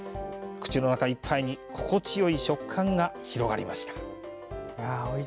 口の中いっぱいに心地よい食感が広がりました。